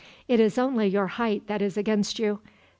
"It is only your height that is against you.